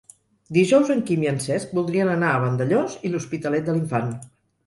Dijous en Quim i en Cesc voldrien anar a Vandellòs i l'Hospitalet de l'Infant.